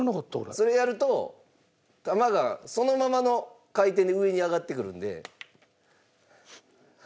それやると玉がそのままの回転で上に上がってくるんで。